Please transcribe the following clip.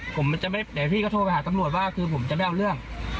ผมจะไม่หน่อยพี่ก็โทรไปหาตำกรุยว่าคือผมจะไม่เอาเรื่อง